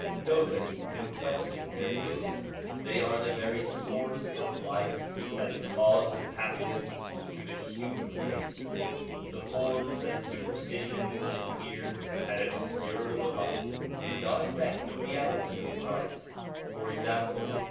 Nobody can question their truth. They are the very source of life and the cause of happiness to the human race. The forms and superstitions which appeared and obscured the light did not affect the reality of Christ. For example.